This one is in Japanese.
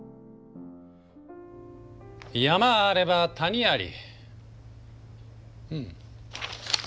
山あれば谷あり。